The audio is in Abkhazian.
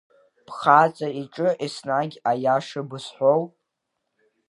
Бхаҵа иҿы еснагь аиаша бызҳәоу?